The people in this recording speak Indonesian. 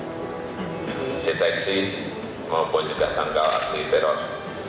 kemampuan kontra teror terutama dalam deteksi maupun juga tanggal aksi teror